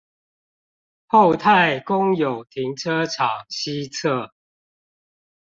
厚泰公有停車場西側